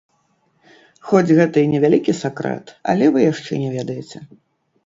Хоць гэта і не вялікі сакрэт, але вы яшчэ не ведаеце.